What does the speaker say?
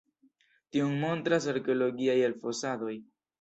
Tion montras arkeologiaj elfosadoj.